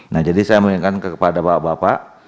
nah jadi saya menginginkan kepada bapak bapak